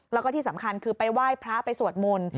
แล้วก็ที่สำคัญคือไปไหว้พระไปสวดมนต์